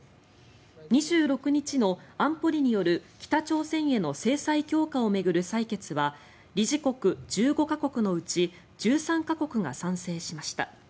２６日の安保理による北朝鮮への制裁強化を巡る採決は理事国１５か国のうち１３か国が賛成しました。